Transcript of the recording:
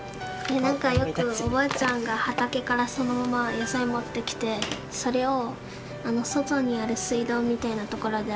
何かよくおばあちゃんが畑からそのまま野菜持ってきてそれを外にある水道みたいなところで洗って丸かじりしたの。